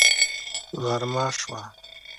غرمه شوه